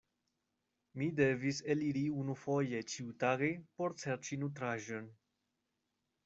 Mi devis eliri unufoje ĉiutage por serĉi nutraĵon.